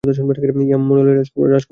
Emmanuel Rajkumar junior!